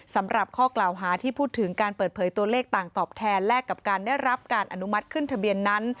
สำหรับข้อกล่าวหาที่พูดถึงการเปิดเผยตัวเลขต่างตอบแทนแลกกับการได้รับการอนุมัติขึ้นทะเบียนนั้น